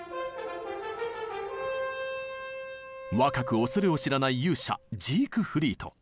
若く恐れを知らない勇者ジークフリート。